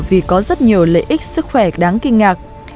vì có rất nhiều lợi ích sức khỏe đáng kinh ngạc